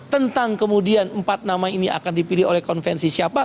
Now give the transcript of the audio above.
tentang kemudian empat nama ini akan dipilih oleh konvensi siapa